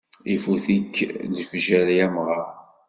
Ifut-ik lefjer ay amɣar.